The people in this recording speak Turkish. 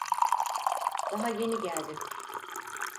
Daha yeni geldin.